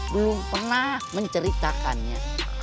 belum pernah menceritakannya